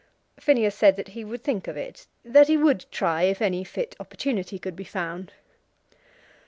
Phineas said that he would think of it, that he would try if any fit opportunity could be found.